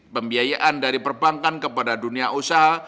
pembiayaan dari perbankan kepada dunia usaha